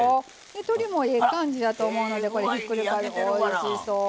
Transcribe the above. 鶏もええ感じやと思うのでひっくり返しておいしそう。